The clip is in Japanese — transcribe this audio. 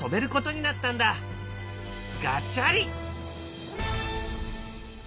ガチャリ。